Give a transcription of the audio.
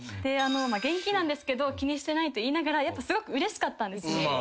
現金なんですけど気にしてないと言いながらすごくうれしかったんですよ。